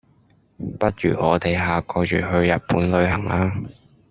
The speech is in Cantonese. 不如我地下個月去日本旅行呀